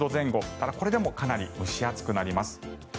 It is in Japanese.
ただ、これでもかなり蒸し暑くなります。